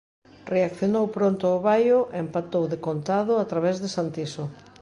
Reaccionou pronto o Baio e empatou decontado a través de Santiso.